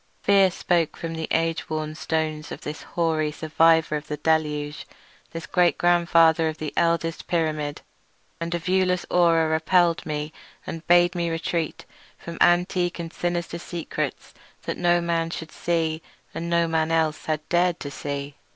Fear spoke from the age worn stones of this hoary survivor of the deluge, this great grandmother of the eldest pyramid; and a viewless aura repelled me and bade me retreat from antique and sinister secrets that no man should see, and no man else had ever dared to see.